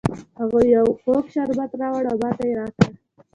هغې یو خوږ شربت راوړ او ماته یې را کړ